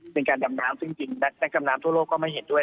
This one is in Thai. เป็นการดำน้ำซึ่งจริงนักดำน้ำทั่วโลกก็ไม่เห็นด้วย